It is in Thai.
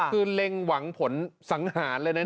คือเล็งหวังผลสังหารเลยนะ